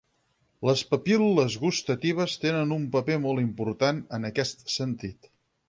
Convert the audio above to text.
Les papil·les gustatives tenen un paper molt important en aquest sentit.